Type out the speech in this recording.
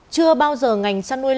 chưa bao giờ ngành săn nuôi lạc